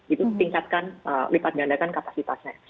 itu tingkatkan lipat gandakan kapasitasnya